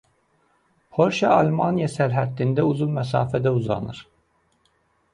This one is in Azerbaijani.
Polşa Almaniya sərhəddində uzun məsafədə uzanır.